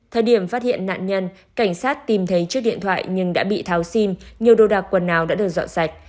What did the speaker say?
thời điểm phát hiện nạn nhân cảnh sát tìm thấy chiếc điện thoại nhưng đã bị tháo sim nhiều đồ đạc quần áo đã được dọn sạch